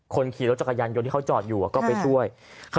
คนขี่รถจักรยานยนต์ที่เขาจอดอยู่ก็ไปช่วย